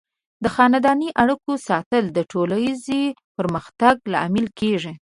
د خاندنۍ اړیکو ساتل د ټولنیز پرمختګ لامل کیږي.